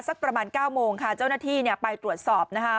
สักประมาณ๙โมงค่ะเจ้าหน้าที่ไปตรวจสอบนะฮะ